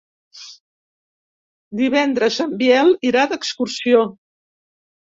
Divendres en Biel irà d'excursió.